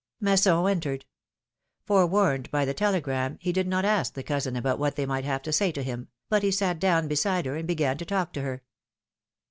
Masson entered. Forewarned by the telegram, he did not ask the cousin about what they miglit Iiave to say to him, but he sat down beside her and began to talk to her.